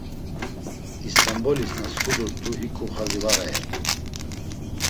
İst̆anbolis na sǩudurt̆u hiǩu xazi var ayert̆u.